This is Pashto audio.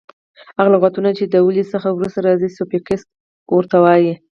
هغه لغتونه چي د ولي څخه وروسته راځي؛ سوفیکس ور ته وایي.